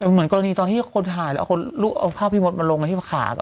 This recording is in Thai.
เหมือนกรณีตอนที่โคนถ่ายลองผ้าพี่มถมารงในพิมพ์ขา